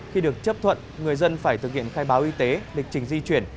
khi được chấp thuận người dân phải thực hiện khai báo y tế lịch trình di chuyển